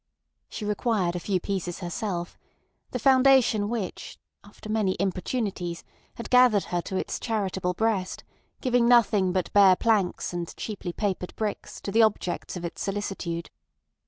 She required a few pieces herself, the Foundation which, after many importunities, had gathered her to its charitable breast, giving nothing but bare planks and cheaply papered bricks to the objects of its solicitude.